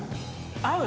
合う。